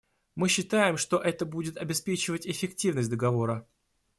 Мы считаем, что это будет обеспечивать эффективность Договора.